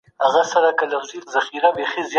مذهبي لږکي د وینا بشپړه ازادي نه لري.